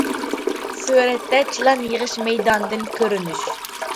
سۈرەتتە: چىلان يىغىش مەيدانىدىن كۆرۈنۈش.